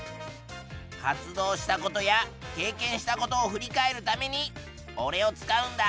活動したことや経験したことを振り返るためにおれを使うんだ。